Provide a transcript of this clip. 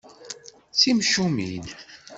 D timcumin.